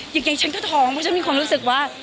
อย่างไงฉันก็ท้องเพราะฉันว่า